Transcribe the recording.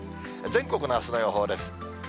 全国のあすの予報です。